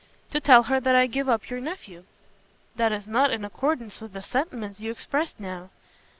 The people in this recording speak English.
"To tell her that I give up your nephew." "That is not in accordance with the sentiments you expressed now."